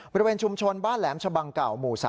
บริเวณชุมชนบ้านแหลมชะบังเก่าหมู่๓